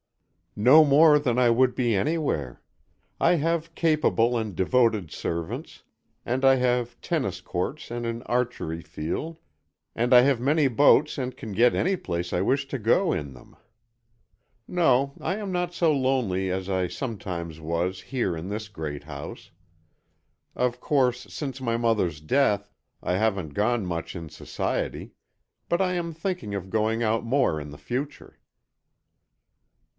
"No more than I would be anywhere. I have capable and devoted servants, and I have tennis courts and an archery field and I have many boats and can get any place I wish to go in them. No, I am not so lonely as I sometimes was here in this great house. Of course, since my mother's death, I haven't gone much in society but I am thinking of going out more in the future."